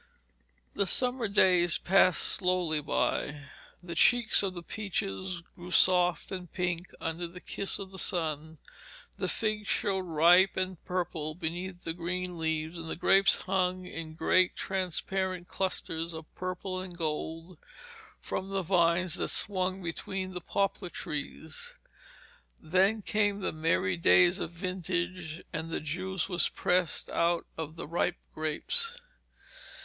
The summer days passed slowly by. The cheeks of the peaches grew soft and pink under the kiss of the sun, the figs showed ripe and purple beneath the green leaves, and the grapes hung in great transparent clusters of purple and gold from the vines that swung between the poplar trees. Then came the merry days of vintage, and the juice was pressed out of the ripe grapes.